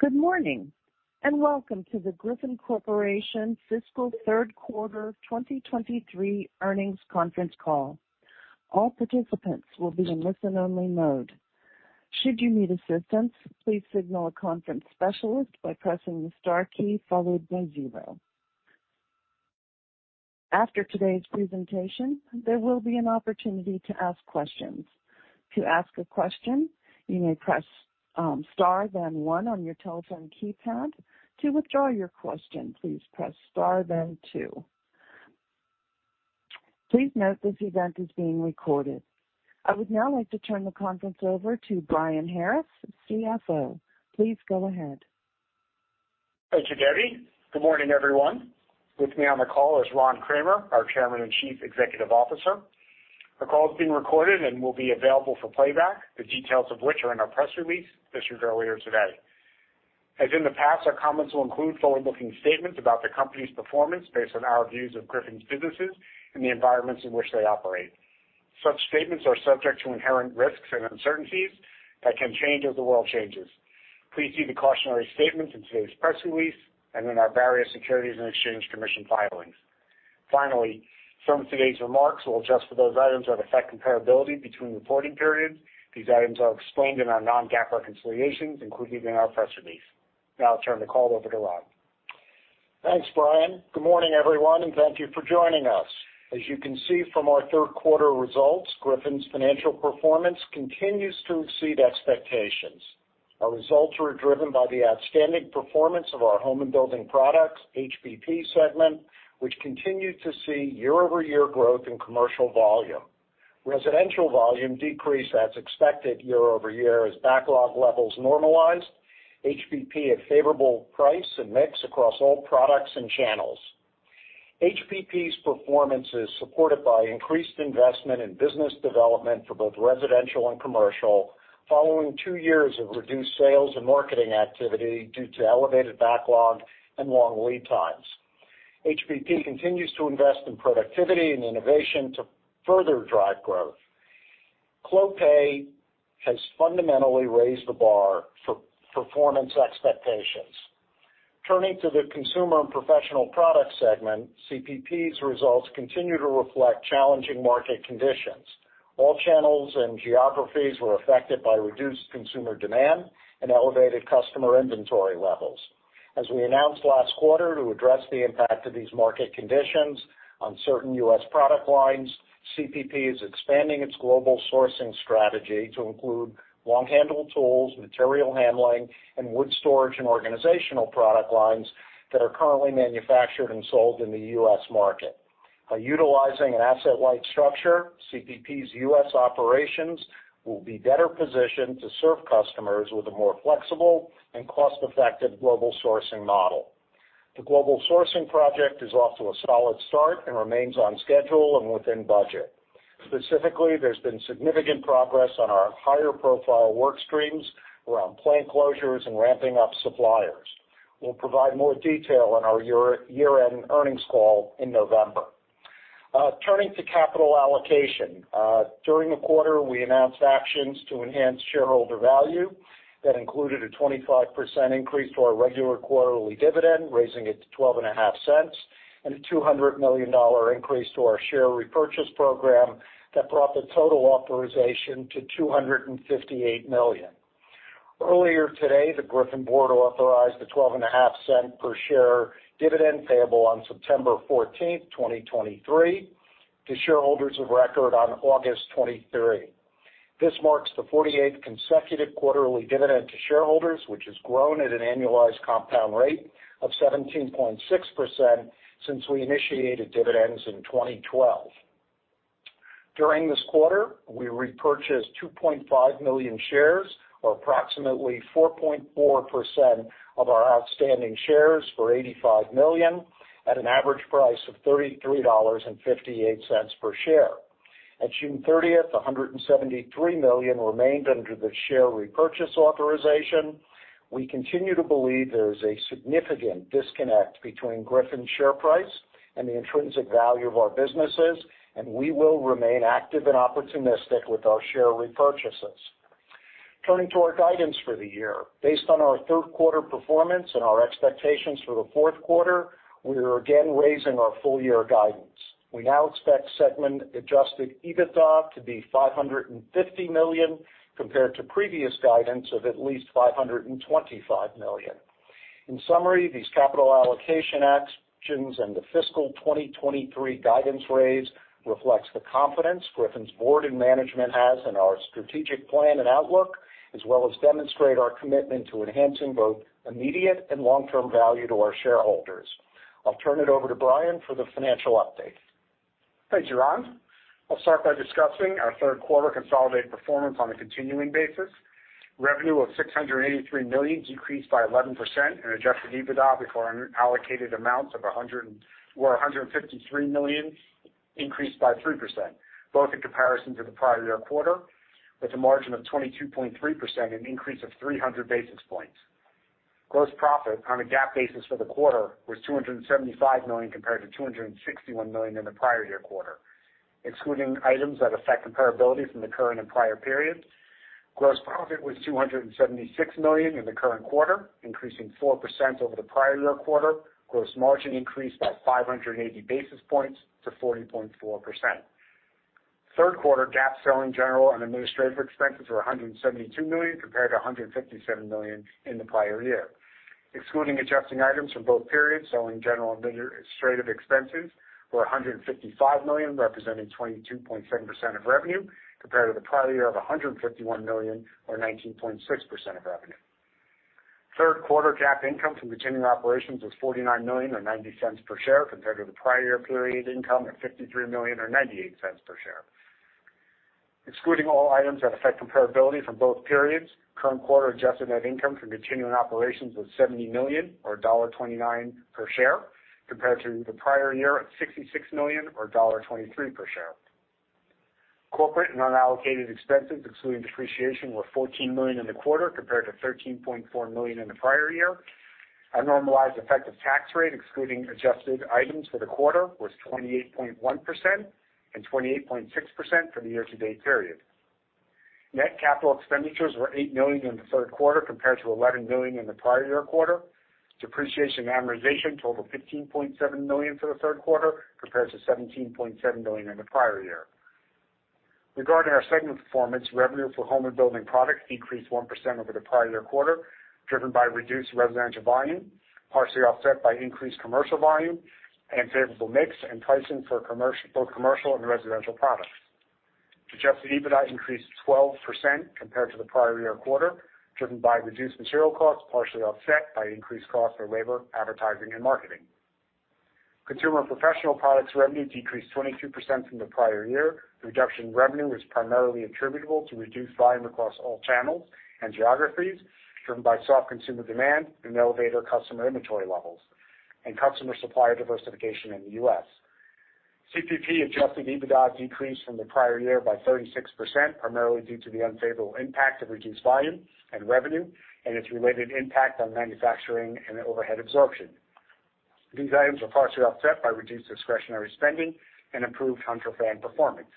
Good morning, and welcome to the Griffon Corporation Fiscal Third Quarter 2023 Earnings Conference Call. All participants will be in listen-only mode. Should you need assistance, please signal a conference specialist by pressing the star key followed by zero. After today's presentation, there will be an opportunity to ask questions. To ask a question, you may press star, then one on your telephone keypad. To withdraw your question, please press star, then two. Please note this event is being recorded. I would now like to turn the conference over to Brian Harris, CFO. Please go ahead. Thank you, Debbie. Good morning, everyone. With me on the call is Ron Kramer, our Chairman and Chief Executive Officer. The call is being recorded and will be available for playback, the details of which are in our press release distributed earlier today. As in the past, our comments will include forward-looking statements about the company's performance based on our views of Griffon's businesses and the environments in which they operate. Such statements are subject to inherent risks and uncertainties that can change as the world changes. Please see the cautionary statements in today's press release and in our various Securities and Exchange Commission filings. Some of today's remarks will adjust for those items that affect comparability between reporting periods. These items are explained in our non-GAAP reconciliations, including in our press release. I'll turn the call over to Ron. Thanks, Brian. Good morning, everyone, and thank you for joining us. As you can see from our third quarter results, Griffon's financial performance continues to exceed expectations. Our results were driven by the outstanding performance of our Home and Building Products, HBP segment, which continued to see year-over-year growth in commercial volume. Residential volume decreased as expected year-over-year as backlog levels normalized. HBP had favorable price and mix across all products and channels. HBP's performance is supported by increased investment in business development for both residential and commercial, following two years of reduced sales and marketing activity due to elevated backlog and long lead times. HBP continues to invest in productivity and innovation to further drive growth. Clopay has fundamentally raised the bar for performance expectations. Turning to the Consumer and Professional Products segment, CPP's results continue to reflect challenging market conditions. All channels and geographies were affected by reduced consumer demand and elevated customer inventory levels. As we announced last quarter, to address the impact of these market conditions on certain U.S. product lines, CPP is expanding its global sourcing strategy to include long-handle tools, material handling, and wood storage and organizational product lines that are currently manufactured and sold in the U.S. market. By utilizing an asset-light structure, CPP's U.S. operations will be better positioned to serve customers with a more flexible and cost-effective global sourcing model. The global sourcing project is off to a solid start and remains on schedule and within budget. Specifically, there's been significant progress on our higher-profile work streams around plant closures and ramping up suppliers. We'll provide more detail on our year, year-end earnings call in November. Turning to capital allocation. During the quarter, we announced actions to enhance shareholder value that included a 25% increase to our regular quarterly dividend, raising it to $0.125, and a $200 million increase to our share repurchase program that brought the total authorization to $258 million. Earlier today, the Griffon board authorized a $0.125 per share dividend payable on September 14th, 2023, to shareholders of record on August 23. This marks the 48th consecutive quarterly dividend to shareholders, which has grown at an annualized compound rate of 17.6% since we initiated dividends in 2012. During this quarter, we repurchased 2.5 million shares, or approximately 4.4% of our outstanding shares for $85 million at an average price of $33.58 per share. At June 30th, $173 million remained under the share repurchase authorization. We continue to believe there is a significant disconnect between Griffon's share price and the intrinsic value of our businesses. We will remain active and opportunistic with our share repurchases. Turning to our guidance for the year. Based on our third quarter performance and our expectations for the fourth quarter, we are again raising our full-year guidance. We now expect segment-adjusted EBITDA to be $550 million, compared to previous guidance of at least $525 million. In summary, these capital allocation actions and the fiscal 2023 guidance raise reflects the confidence Griffon's board and management has in our strategic plan and outlook, as well as demonstrate our commitment to enhancing both immediate and long-term value to our shareholders. I'll turn it over to Brian for the financial update. Thanks, Ron. I'll start by discussing our third quarter consolidated performance on a continuing basis. Revenue of $683 million decreased by 11%. Adjusted EBITDA before unallocated amounts of $153 million increased by 3%, both in comparison to the prior year quarter, with a margin of 22.3%, an increase of 300 basis points. Gross profit on a GAAP basis for the quarter was $275 million compared to $261 million in the prior year quarter. Excluding items that affect comparability from the current and prior periods, gross profit was $276 million in the current quarter, increasing 4% over the prior year quarter. Gross margin increased by 580 basis points to 40.4%. Third quarter GAAP selling, general, and administrative expenses were $172 million, compared to $157 million in the prior year. Excluding adjusting items from both periods, selling, general, and administrative expenses were $155 million, representing 22.7% of revenue, compared to the prior year of $151 million or 19.6% of revenue. Third quarter GAAP income from continuing operations was $49 million, or $0.90 per share, compared to the prior year period income of $53 million or $0.98 per share. Excluding all items that affect comparability from both periods, current quarter adjusted net income from continuing operations was $70 million or $1.29 per share, compared to the prior year at $66 million or $1.23 per share. Corporate and unallocated expenses, excluding depreciation, were $14 million in the quarter, compared to $13.4 million in the prior year. Our normalized effective tax rate, excluding adjusted items for the quarter, was 28.1% and 28.6% for the year-to-date period. Net capital expenditures were $8 million in the third quarter, compared to $11 million in the prior year quarter. Depreciation and amortization totaled $15.7 million for the third quarter, compared to $17.7 million in the prior year. Regarding our segment performance, revenue for Home and Building Products increased 1% over the prior year quarter, driven by reduced residential volume, partially offset by increased commercial volume and favorable mix and pricing for commercial- both commercial and residential products. Adjusted EBITDA increased 12% compared to the prior-year quarter, driven by reduced material costs, partially offset by increased costs for labor, advertising, and marketing. Consumer and Professional Products revenue decreased 22% from the prior-year. The reduction in revenue was primarily attributable to reduced volume across all channels and geographies, driven by soft consumer demand and elevated customer inventory levels and customer supplier diversification in the U.S. CPP adjusted EBITDA decreased from the prior-year by 36%, primarily due to the unfavorable impact of reduced volume and revenue and its related impact on manufacturing and overhead absorption. These items were partially offset by reduced discretionary spending and improved Hunter Fan performance.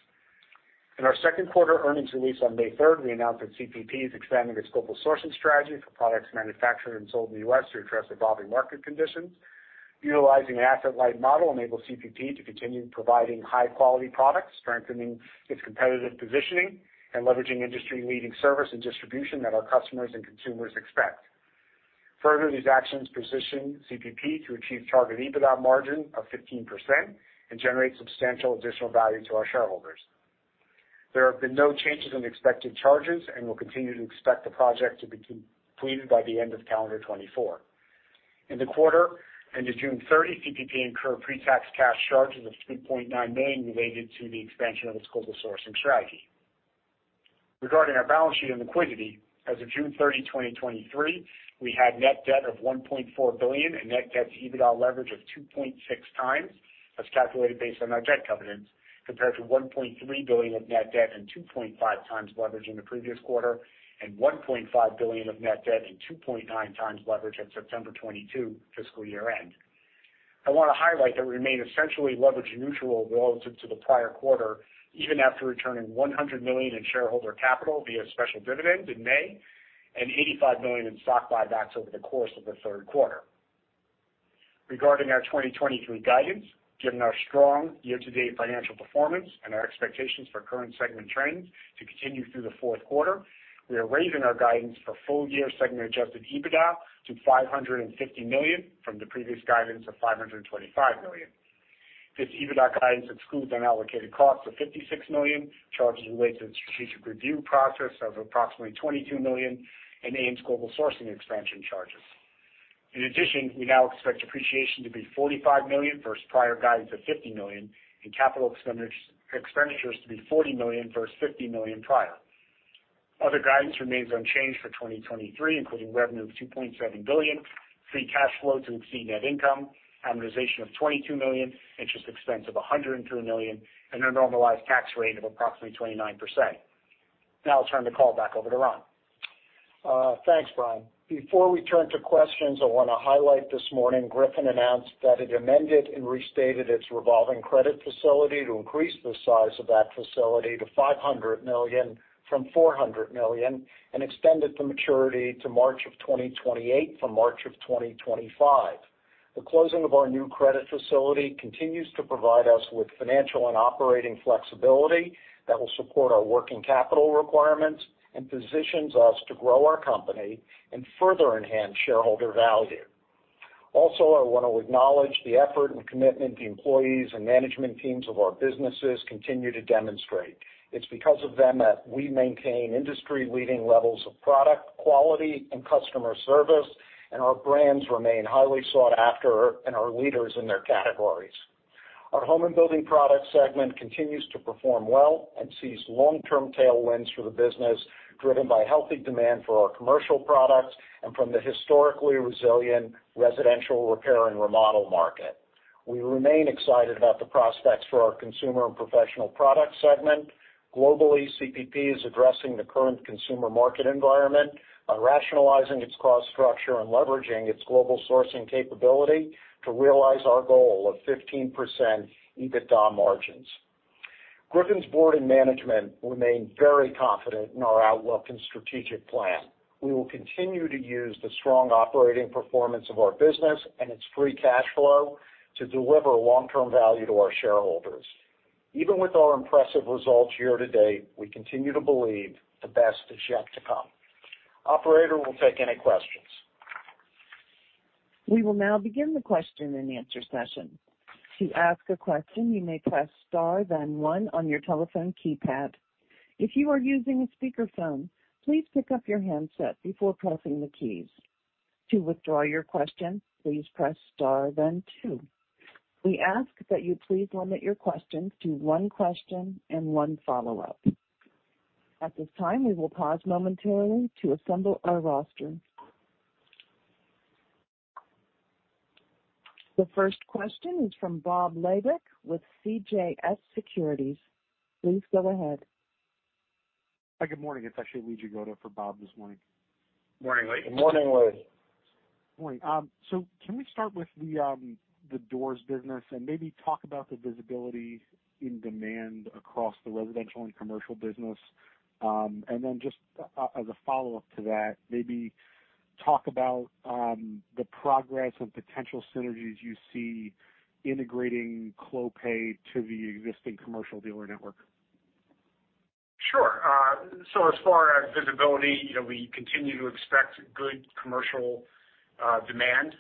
In our second quarter earnings release on May 3rd, we announced that CPP is expanding its global sourcing strategy for products manufactured and sold in the U.S. to address evolving market conditions. Utilizing an asset-light model enables CPP to continue providing high-quality products, strengthening its competitive positioning, and leveraging industry-leading service and distribution that our customers and consumers expect. Further, these actions position CPP to achieve target EBITDA margin of 15% and generate substantial additional value to our shareholders. There have been no changes in expected charges, and we'll continue to expect the project to be completed by the end of calendar 2024. In the quarter, end of June 30, CPP incurred pre-tax cash charges of $3.9 million related to the expansion of its global sourcing strategy. Regarding our balance sheet and liquidity, as of June 30, 2023, we had net debt of $1.4 billion and net debt to EBITDA leverage of 2.6x, as calculated based on our debt covenants, compared to $1.3 billion of net debt and 2.5x leverage in the previous quarter, and $1.5 billion of net debt and 2.9x leverage at September 2022 fiscal year-end. I want to highlight that we remain essentially leverage neutral relative to the prior quarter, even after returning $100 million in shareholder capital via a special dividend in May and $85 million in stock buybacks over the course of the third quarter. Regarding our 2023 guidance, given our strong year-to-date financial performance and our expectations for current segment trends to continue through the fourth quarter, we are raising our guidance for full-year segment adjusted EBITDA to $550 million from the previous guidance of $525 million. This EBITDA guidance excludes unallocated costs of $56 million, charges related to the strategic review process of approximately $22 million, and AMES global sourcing expansion charges. In addition, we now expect depreciation to be $45 million versus prior guidance of $50 million, and capital expenditures to be $40 million versus $50 million prior. Other guidance remains unchanged for 2023, including revenue of $2.7 billion, free cash flow to exceed net income, amortization of $22 million, interest expense of $102 million, and a normalized tax rate of approximately 29%. Now I'll turn the call back over to Ron. Thanks, Brian. Before we turn to questions, I want to highlight this morning, Griffon announced that it amended and restated its revolving credit facility to increase the size of that facility to $500 million from $400 million, and extended the maturity to March of 2028 from March of 2025. The closing of our new credit facility continues to provide us with financial and operating flexibility that will support our working capital requirements and positions us to grow our company and further enhance shareholder value. I want to acknowledge the effort and commitment the employees and management teams of our businesses continue to demonstrate. It's because of them that we maintain industry-leading levels of product quality and customer service, and our brands remain highly sought after and are leaders in their categories. Our Home and Building Products segment continues to perform well and sees long-term tailwinds for the business, driven by healthy demand for our commercial products and from the historically resilient residential repair and remodel market. We remain excited about the prospects for our Consumer and Professional Products segment. Globally, CPP is addressing the current consumer market environment by rationalizing its cost structure and leveraging its global sourcing capability to realize our goal of 15% EBITDA margins. Griffon's board and management remain very confident in our outlook and strategic plan. We will continue to use the strong operating performance of our business and its free cash flow to deliver long-term value to our shareholders. Even with our impressive results year to date, we continue to believe the best is yet to come. Operator, we'll take any questions. We will now begin the question-and-answer session. To ask a question, you may press star, then one on your telephone keypad. If you are using a speakerphone, please pick up your handset before pressing the keys. To withdraw your question, please press star, then two. We ask that you please limit your questions to one question and one follow-up. At this time, we will pause momentarily to assemble our roster. The first question is from Bob Labick with CJS Securities. Please go ahead. Hi, good morning. It's actually Lee Jagoda for Bob this morning. Morning, Lee. Good morning, Lee. Morning. Can we start with the doors business and maybe talk about the visibility in demand across the residential and commercial business? Just as a follow-up to that, maybe talk about the progress and potential synergies you see integrating Clopay to the existing commercial dealer network. Sure. So as far as visibility, you know, we continue to expect good commercial demand.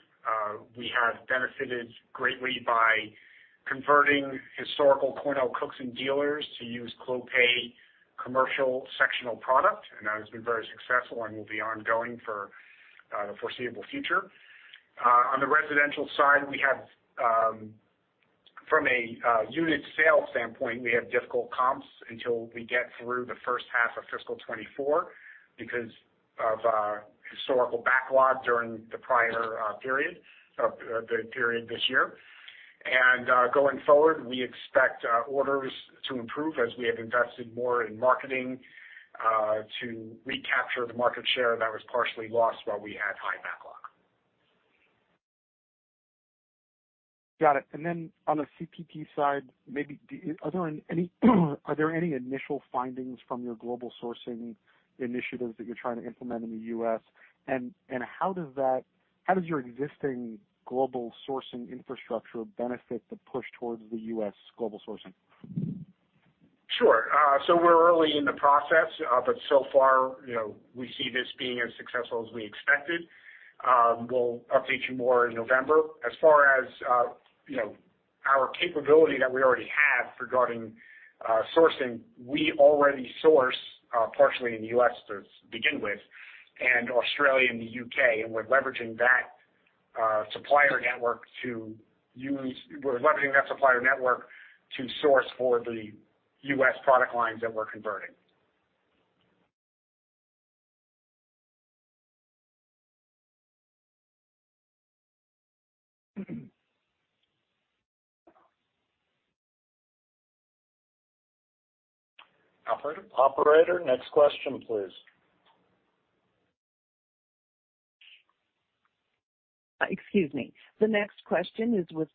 We have benefited greatly by converting historical CornellCookson dealers to use Clopay commercial sectional product, and that has been very successful and will be ongoing for the foreseeable future. On the residential side, we have, from a unit sales standpoint, we have difficult comps until we get through the first half of fiscal 2024 because of historical backlog during the prior period, the period this year. Going forward, we expect orders to improve as we have invested more in marketing to recapture the market share that was partially lost while we had high backlog. Got it. Then on the CPP side, maybe are there any initial findings from your global sourcing initiatives that you're trying to implement in the U.S.? How does your existing global sourcing infrastructure benefit the push towards the U.S. global sourcing? Sure. We're early in the process, but so far, you know, we see this being as successful as we expected. We'll update you more in November. Far as, you know, our capability that we already have regarding sourcing, we already source partially in the U.S. to begin with, and Australia and the U.K., and we're leveraging that supplier network to source for the U.S. product lines that we're converting. Operator? Operator, next question, please. Excuse me. The next question is with,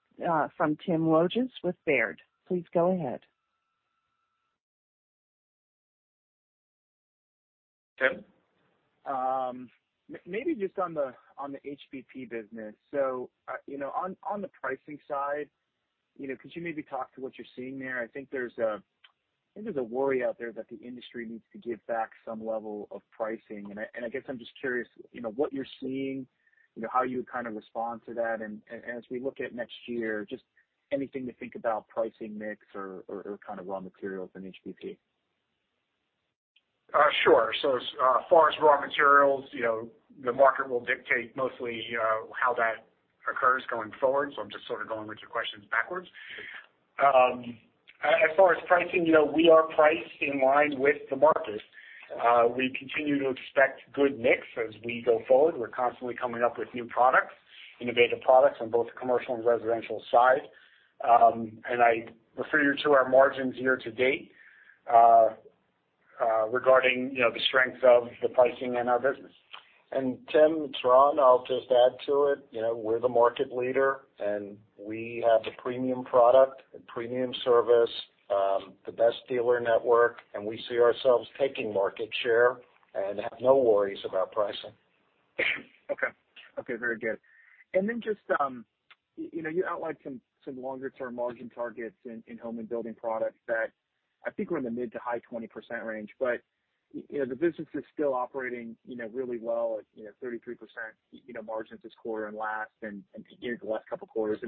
from Tim Wojs with Baird. Please go ahead. Tim? Maybe just on the HBP business. You know, on, on the pricing side, you know, could you maybe talk to what you're seeing there? I think there's a, I think there's a worry out there that the industry needs to give back some level of pricing, and I, and I guess I'm just curious, you know, what you're seeing, you know, how you would kind of respond to that, and, and as we look at next year, just anything to think about pricing mix or, or, or kind of raw materials in HBP. Sure. As far as raw materials, you know, the market will dictate mostly, how that occurs going forward. I'm just sort of going with your questions backwards. As far as pricing, you know, we are priced in line with the market. We continue to expect good mix as we go forward. We're constantly coming up with new products, innovative products on both the commercial and residential side. I refer you to our margins year to date, regarding, you know, the strength of the pricing in our business. Tim, it's Ron. I'll just add to it. You know, we're the market leader, and we have the premium product and premium service, the best dealer network, and we see ourselves taking market share and have no worries about pricing. Okay. Okay, very good. You know, you outlined some, some longer-term margin targets in Home and Building Products that I think were in the mid to high 20% range. You know, the business is still operating, you know, really well at, you know, 33%, you know, margins this quarter and last and the last couple quarters.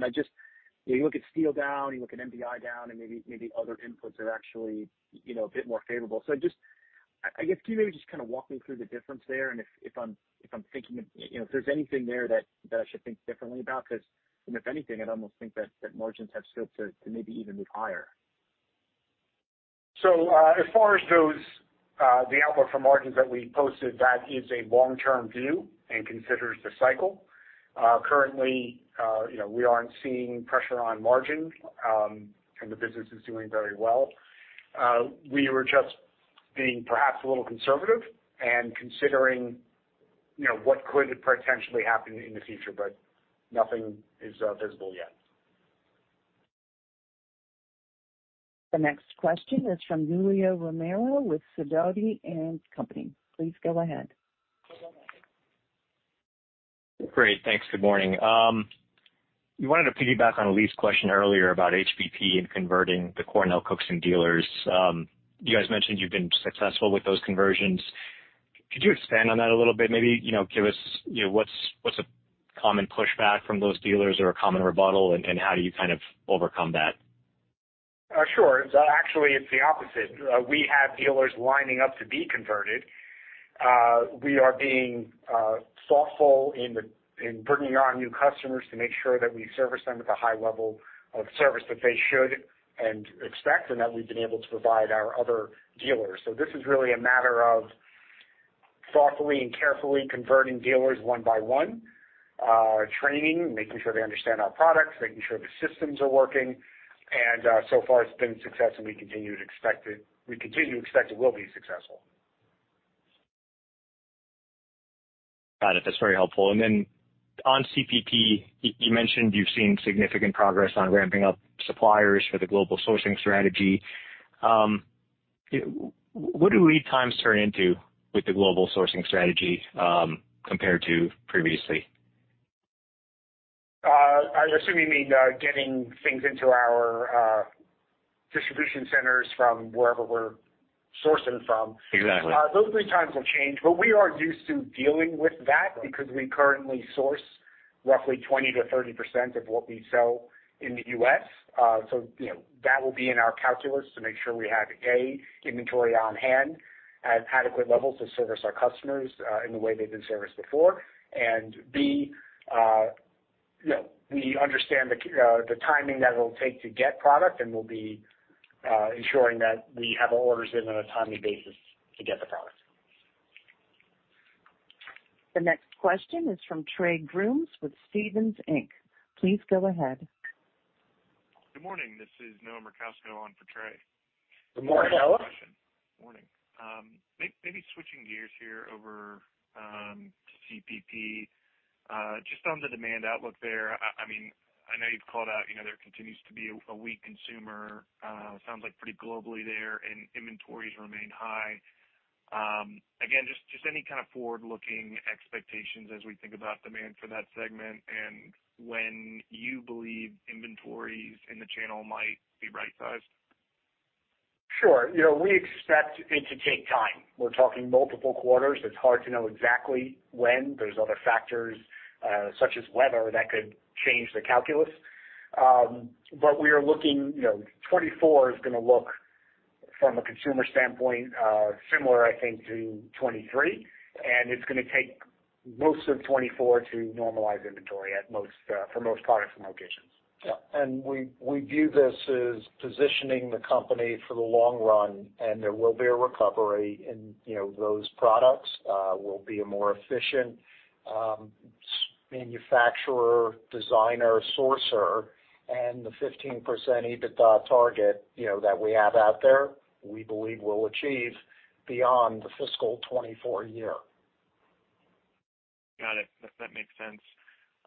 You look at steel down, you look at NBI down, and maybe, maybe other inputs are actually, you know, a bit more favorable. I, I guess, can you maybe just kind of walk me through the difference there and if, if I'm, if I'm thinking, you know, if there's anything there that, that I should think differently about, because, and if anything, I'd almost think that, that margins have scope to, to maybe even move higher?... As far as those, the outlook for margins that we posted, that is a long-term view and considers the cycle. Currently, you know, we aren't seeing pressure on margin, and the business is doing very well. We were just being perhaps a little conservative and considering, you know, what could potentially happen in the future, but nothing is visible yet. The next question is from Julio Romero with Sidoti & Company. Please go ahead. Great. Thanks. Good morning. We wanted to piggyback on Lee's question earlier about HBP and converting the CornellCookson dealers. You guys mentioned you've been successful with those conversions. Could you expand on that a little bit? Maybe, you know, give us, you know, what's, what's a common pushback from those dealers or a common rebuttal, and, and how do you kind of overcome that? Sure. Actually, it's the opposite. We have dealers lining up to be converted. We are being thoughtful in bringing on new customers to make sure that we service them with a high level of service that they should and expect, and that we've been able to provide our other dealers. This is really a matter of thoughtfully and carefully converting dealers one by one, training, making sure they understand our products, making sure the systems are working, and so far it's been successful, and we continue to expect it will be successful. Got it. That's very helpful. Then on CPP, you, you mentioned you've seen significant progress on ramping up suppliers for the global sourcing strategy. What do lead times turn into with the global sourcing strategy, compared to previously? I assume you mean, getting things into our distribution centers from wherever we're sourcing from. Exactly. Those lead times will change, but we are used to dealing with that because we currently source roughly 20% to 30% of what we sell in the U.S. You know, that will be in our calculus to make sure we have, A, inventory on hand at adequate levels to service our customers, in the way they've been serviced before, and B, you know, we understand the, the timing that it'll take to get product, and we'll be, ensuring that we have our orders in on a timely basis to get the product. The next question is from Trey Grooms with Stephens Inc. Please go ahead. Good morning. This is Noah Merkousko on for Trey. Good morning, Noah. Morning. Switching gears here over CPP, just on the demand outlook there, I mean, I know you've called out, you know, there continues to be a weak consumer, sounds like pretty globally there, and inventories remain high. Again, just any kind of forward-looking expectations as we think about demand for that segment, and when you believe inventories in the channel might be right-sized? Sure. You know, we expect it to take time. We're talking multiple quarters. It's hard to know exactly when. There's other factors, such as weather, that could change the calculus. But we are looking... You know, 2024 is gonna look, from a consumer standpoint, similar, I think, to 2023, and it's gonna take most of 2024 to normalize inventory at most, for most products and locations. Yeah, we, we view this as positioning the company for the long run, and there will be a recovery. You know, those products, will be a more efficient, manufacturer, designer, sourcer, and the 15% EBITDA target, you know, that we have out there, we believe we'll achieve beyond the fiscal 2024 year. Got it. That makes sense.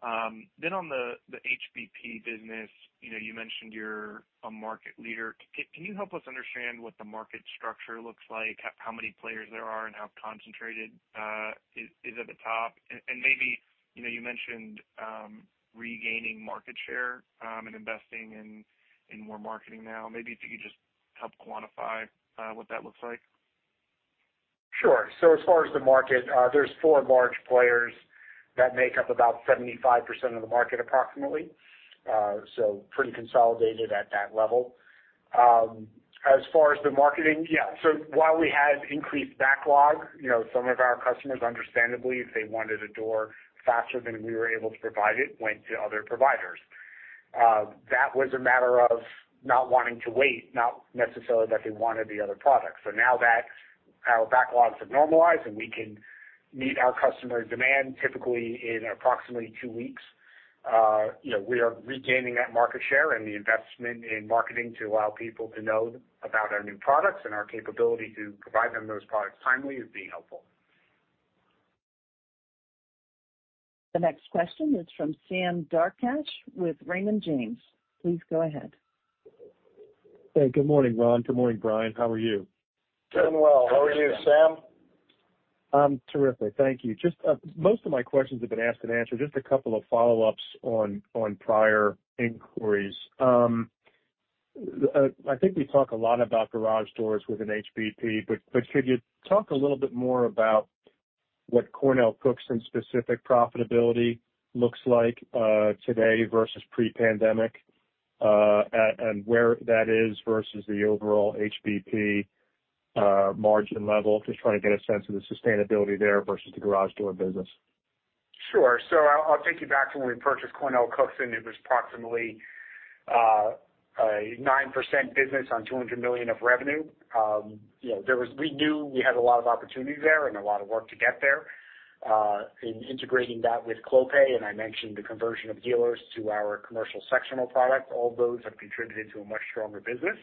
On the, the HBP business, you know, you mentioned you're a market leader. Can you help us understand what the market structure looks like, how many players there are, and how concentrated is at the top? Maybe, you know, you mentioned regaining market share and investing in more marketing now. Maybe if you could just help quantify what that looks like? Sure. As far as the market, there's four large players that make up about 75% of the market, approximately. Pretty consolidated at that level. As far as the marketing, yeah, so while we had increased backlog, you know, some of our customers, understandably, if they wanted a door faster than we were able to provide it, went to other providers. That was a matter of not wanting to wait, not necessarily that they wanted the other product. Now that our backlogs have normalized and we can meet our customer demand typically in approximately two weeks, you know, we are regaining that market share and the investment in marketing to allow people to know about our new products and our capability to provide them those products timely is being helpful. The next question is from Sam Darkatsh with Raymond James. Please go ahead. Hey, good morning, Ron. Good morning, Brian. How are you? Doing well. How are you, Sam? I'm terrific, thank you. Just, most of my questions have been asked and answered. Just a couple of follow-ups on, on prior inquiries. I think you talk a lot about garage doors within HBP, but, but could you talk a little bit more about what CornellCookson specific profitability looks like, today versus pre-pandemic, and where that is versus the overall HBP, margin level? Just trying to get a sense of the sustainability there versus the garage door business. Sure. I'll, I'll take you back to when we purchased CornellCookson, and it was approximately a 9% business on $200 million of revenue. You know, there was-- we knew we had a lot of opportunity there and a lot of work to get there in integrating that with Clopay, and I mentioned the conversion of dealers to our commercial sectional product. All of those have contributed to a much stronger business.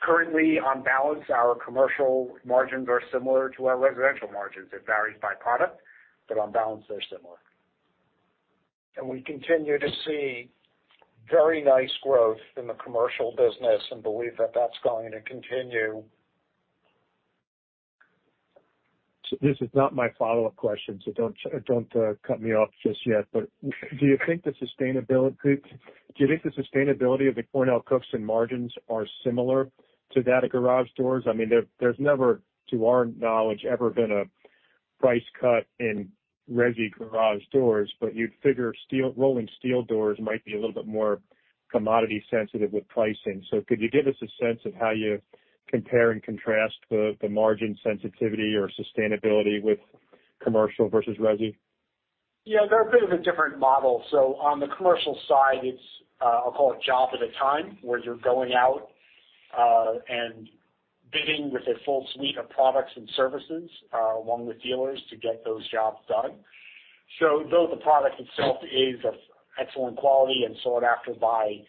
Currently, on balance, our commercial margins are similar to our residential margins. It varies by product, but on balance, they're similar. We continue to see very nice growth in the commercial business and believe that that's going to continue. This is not my follow-up question, so don't, don't cut me off just yet. Do you think the sustainability, do you think the sustainability of the CornellCookson margins are similar to that of garage doors? I mean, there, there's never, to our knowledge, ever been a price cut in resi garage doors, but you'd figure rolling steel doors might be a little bit more commodity sensitive with pricing. Could you give us a sense of how you compare and contrast the, the margin sensitivity or sustainability with commercial versus resi? Yeah, they're a bit of a different model. On the commercial side, it's, I'll call it job at a time, where you're going out, and bidding with a full suite of products and services, along with dealers to get those jobs done. Though the product itself is of excellent quality and sought after by,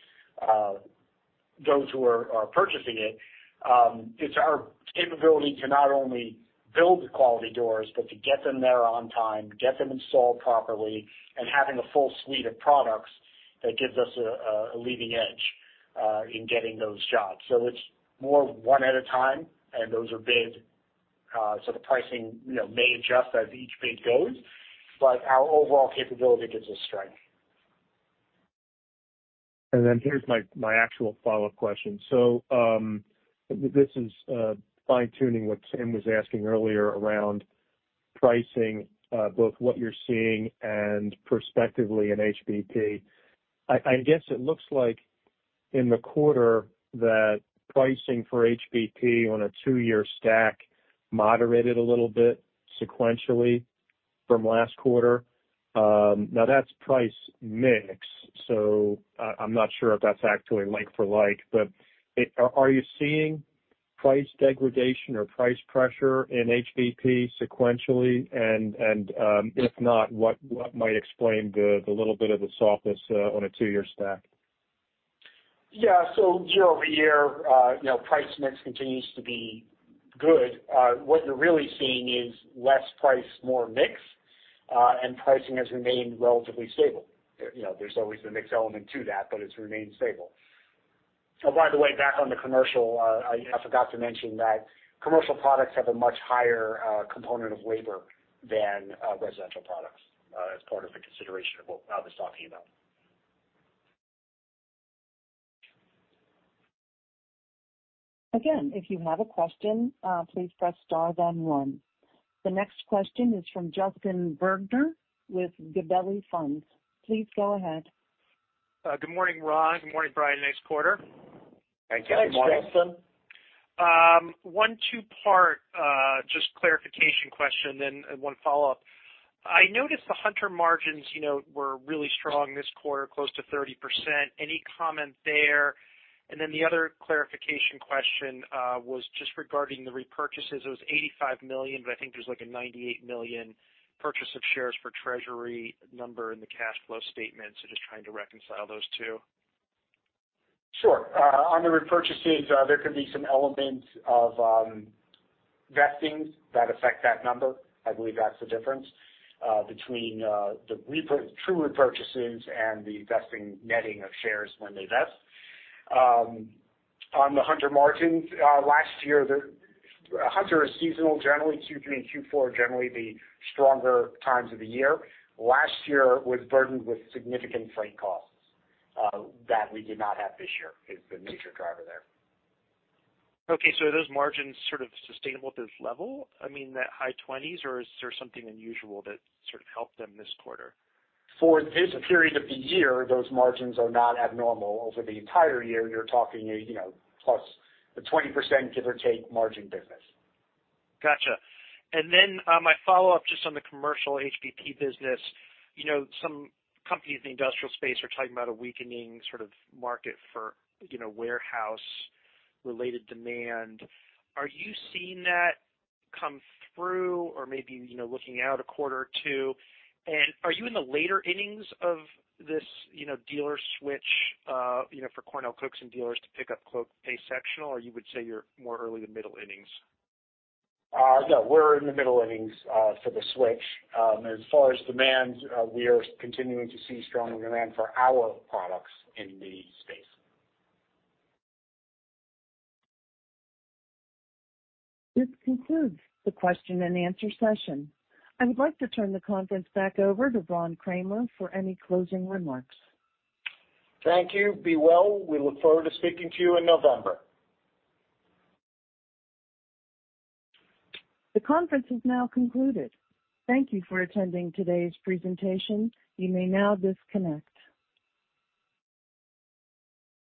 those who are, are purchasing it, it's our capability to not only build the quality doors, but to get them there on time, get them installed properly, and having a full suite of products that gives us a, a, a leading edge, in getting those jobs. It's more one at a time, and those are bid, so the pricing, you know, may adjust as each bid goes, but our overall capability gives us strength. Then here's my, my actual follow-up question. This is fine-tuning what Tim was asking earlier around pricing, both what you're seeing and perspectively in HBP. I, I guess it looks like in the quarter, that pricing for HBP on a two-year stack moderated a little bit sequentially from last quarter. Now, that's price mix, so I, I'm not sure if that's actually like for like, but it... Are, are you seeing price degradation or price pressure in HBP sequentially? If not, what, what might explain the, the little bit of the softness, on a two-year stack? Yeah. Year-over-year, you know, price mix continues to be good. What you're really seeing is less price, more mix, and pricing has remained relatively stable. You know, there's always the mix element to that, but it's remained stable. Oh, by the way, back on the commercial, I, I forgot to mention that commercial products have a much higher component of labor than residential products, as part of the consideration of what I was talking about. Again, if you have a question, please press star then one. The next question is from Justin Bergner with Gabelli Funds. Please go ahead. Good morning, Ron. Good morning, Brian. Nice quarter. Thank you. Good morning. Thanks, Justin. One two-part, just clarification question then, and one follow-up. I noticed the Hunter margins, you know, were really strong this quarter, close to 30%. Any comment there? The other clarification question was just regarding the repurchases. It was $85 million, but I think there's, like, a $98 million purchase of shares for treasury number in the cash flow statement, so just trying to reconcile those two. Sure. On the repurchases, there could be some elements of vesting that affect that number. I believe that's the difference between true repurchases and the vesting netting of shares when they vest. On the Hunter margins, last year, the Hunter is seasonal. Generally, Q3 and Q4 are generally the stronger times of the year. Last year was burdened with significant freight costs that we did not have this year, is the major driver there. Okay. Are those margins sort of sustainable at this level? I mean, that high twenties, or is there something unusual that sort of helped them this quarter? For this period of the year, those margins are not abnormal. Over the entire year, you're talking a, you know, plus the 20% give or take margin business. Gotcha. Then, my follow-up just on the commercial HBP business. You know, some companies in the industrial space are talking about a weakening sort of market for, you know, warehouse-related demand. Are you seeing that come through or maybe, you know, looking out a quarter or two? Are you in the later innings of this, you know, dealer switch, you know, for CornellCookson dealers to pick up Clopay sectional, or you would say you're more early to middle innings? No, we're in the middle innings for the switch. As far as demand, we are continuing to see stronger demand for our products in the space. This concludes the question and answer session. I would like to turn the conference back over to Ron Kramer for any closing remarks. Thank you. Be well. We look forward to speaking to you in November. The conference is now concluded. Thank you for attending today's presentation. You may now disconnect.